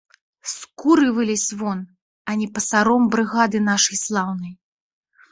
З скуры вылезь вон, а не пасаром брыгады нашай слаўнай.